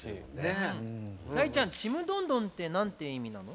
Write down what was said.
大ちゃん「ちむどんどん」ってどういう意味なの？